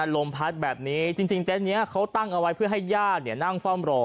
ลมพัดแบบนี้จริงเต็นต์นี้เขาตั้งเอาไว้เพื่อให้ญาตินั่งเฝ้ามรอ